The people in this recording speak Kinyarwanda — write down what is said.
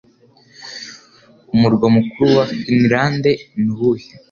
Umurwa mukuru wa Finlande ni uwuhe?